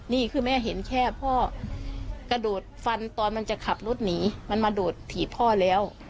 นี่คือแม่เห็นแค่พ่อกระโดดฟันตอนมันจะขับรถหนีมันมาโดดถีบพ่อแล้ว